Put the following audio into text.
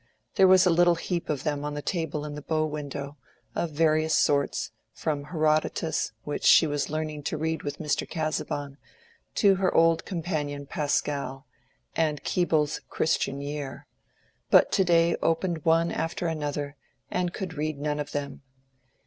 There was a little heap of them on the table in the bow window—of various sorts, from Herodotus, which she was learning to read with Mr. Casaubon, to her old companion Pascal, and Keble's "Christian Year." But to day she opened one after another, and could read none of them.